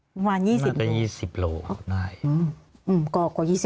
ประมาณ๒๐โลกรัมประมาณ๒๐โลกรัมได้